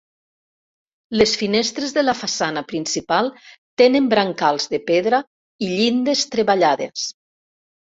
Les finestres de la façana principal tenen brancals de pedra i llindes treballades.